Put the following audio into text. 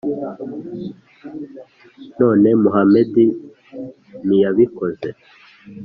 nanone muhamadi ntiyabikoze,